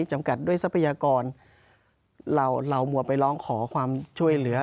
จำกัดด้วยทรัพยากรเราเรามัวไปร้องขอความช่วยเหลือ